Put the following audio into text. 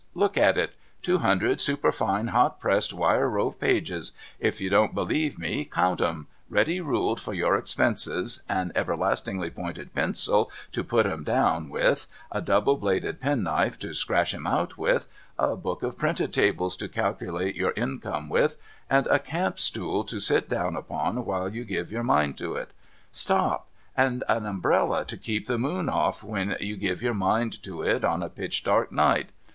Look at it. Two hundred superfine hot pressed wire wove pages — if you don't believe me, count 'em — ready ruled for your expenses, an everlastingly pointed pencil to put 'em down with, a double bladed penknife to scratch 'em out with, a book of printed tables to calculate your income with, and a camp stool to sit down upon while you give your mind to it ! Stop ! And an umbrella to keep the moon off when you give your mind to it on a pitch dark night.